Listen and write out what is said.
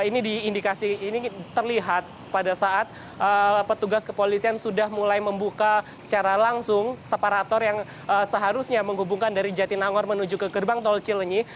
ini diindikasi ini terlihat pada saat petugas kepolisian sudah mulai membuka secara langsung separator yang seharusnya menghubungkan dari jatinangor menuju ke gerbang tol cilenyi